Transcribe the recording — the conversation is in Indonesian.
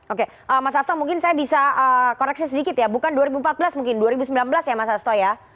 oke mas asto mungkin saya bisa koreksi sedikit ya bukan dua ribu empat belas mungkin dua ribu sembilan belas ya mas asto ya